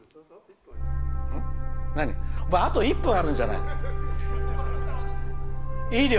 あと１分あるじゃない！